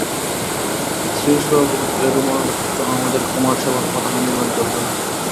শ্রীশবাবু, এ রুমালটাতে তো আমাদের কুমারসভার পতাকা-নির্মাণ চলবে না।